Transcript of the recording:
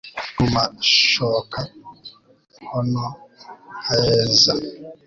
Nko mu mashoka inkono nkayeza